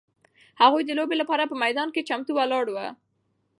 هغوی د لوبې لپاره په میدان کې چمتو ولاړ وو.